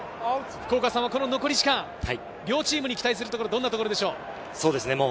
残り時間、両チームに期待するところ、どんなところでしょう？